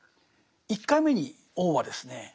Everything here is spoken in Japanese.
１回目に王はですね